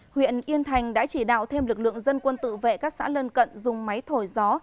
huyện yên thành đã chỉ đạo thêm lực lượng dân quân tự vệ các xã lân cận dùng máy thổi gió